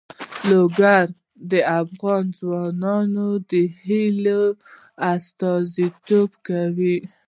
لوگر د افغان ځوانانو د هیلو استازیتوب کوي.